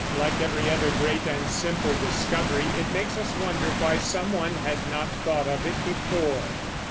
Like every other great and simple discovery, it makes us wonder why some one had not thought of it before.